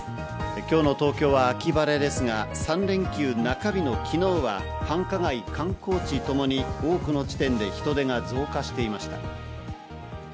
今日の東京は秋晴れですが３連休中日の昨日は繁華街・観光地ともに多くの地点で人出が増加していました。